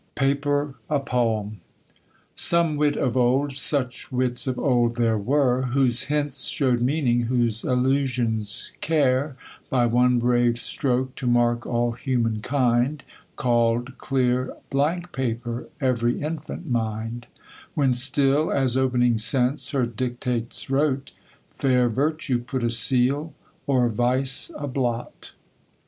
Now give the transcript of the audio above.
Paper, a Poem. SOME wit of old ; such wits of old there were, Whose hints show'd meaning, whose allusions, care, By one brave stroke, to mark all human kind, CalPd clear blank paper every infant mind ; When still, as opening sense her dictates wrote, Fair virtue put a seal, or vice a blot.